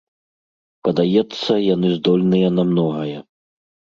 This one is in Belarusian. Падаецца, яны здольныя на многае.